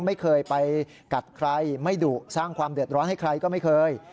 ไม่เคยไปกัดใครไม่ดุสร้างความเดือดร้อนให้ใครก็ไม่เคย